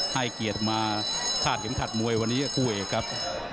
ให้เกียรติมาฆ่าเก็มขัดมวยวันนี้กับกู้เอกครับ